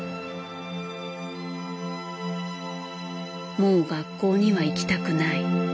「もう学校には行きたくない」。